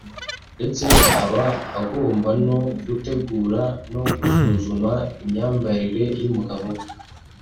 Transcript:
ndetse aba agomba no gutegura no gusuzuma imyambarire y’umugabo we